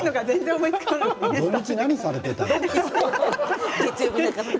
土日、何されていたの？